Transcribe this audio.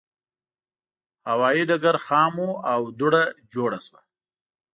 هوایي ډګر خام و او دوړه جوړه شوه.